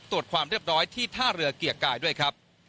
ตรวจความเรียบร้อยที่ท่าเรือเกียรติกายด้วยครับ